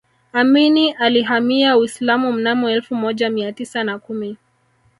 amini alihamia Uislamu mnamo elfu moja mia tisa na kumi